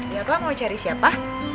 ya pak mau cari siapa